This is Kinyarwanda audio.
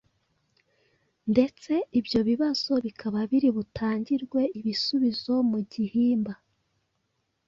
ndetse ibyo bibazo bikaba biri butangirwe ibisubizo mu gihimba.